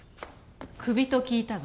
クビと聞いたが。